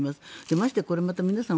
ましてや、これまた皆さん